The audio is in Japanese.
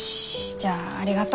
じゃあありがと。